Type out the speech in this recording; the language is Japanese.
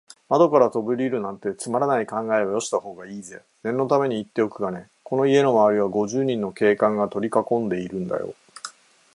窓からとびおりるなんて、つまらない考えはよしたほうがいいぜ。念のためにいっておくがね、この家のまわりは、五十人の警官がとりかこんでいるんだよ。